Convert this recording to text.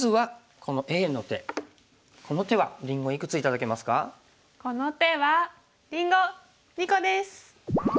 この手はりんご２個です！